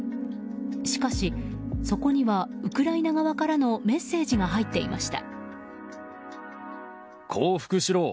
しかし、そこにはウクライナ側からのメッセージが入っていました。